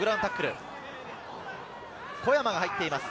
小山が入っています。